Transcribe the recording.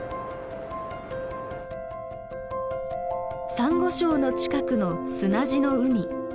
サンゴ礁の近くの砂地の海。